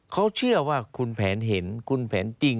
เขาเชื่อว่าคุณแผนเห็นคุณแผนจริง